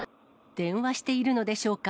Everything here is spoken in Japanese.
電話しているのでしょうか。